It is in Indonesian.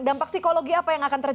dampak psikologi apa yang akan terjadi